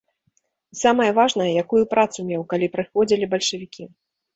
І самае важнае, якую працу меў, калі прыходзілі бальшавікі.